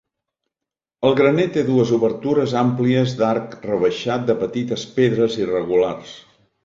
El graner té dues obertures àmplies d'arc rebaixat de petites pedres irregulars.